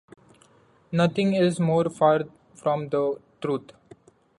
Nothing is more far from the truth.